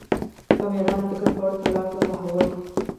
په مېړانه فکر کولو پړاو ته تحول